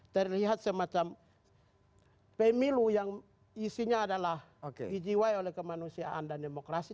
terlihat semacam pemilu yang isinya adalah dijiwai oleh kemanusiaan dan demokrasi